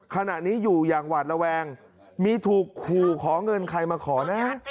ขณะนี้อยู่อย่างหวาดระแวงมีถูกขู่ขอเงินใครมาขอนะ